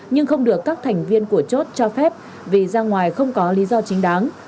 nhưng không được các thành viên của chốt cho phép vì ra ngoài không có lý do chính đáng